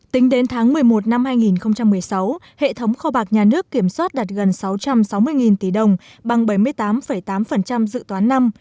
tính đến tháng một mươi một năm hai nghìn một mươi sáu hệ thống kho bạc nhà nước kiểm soát đạt gần sáu trăm sáu mươi tỷ đồng bằng bảy mươi tám tám dự toán năm